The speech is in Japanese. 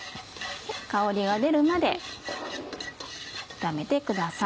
香りが出るまで炒めてください。